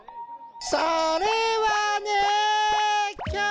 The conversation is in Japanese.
それはね。